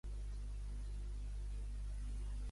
En el passat, Sane també utilitzà Gibson Les Pauls.